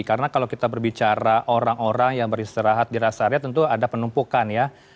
karena kalau kita berbicara orang orang yang beristirahat di res area tentu ada penumpukan ya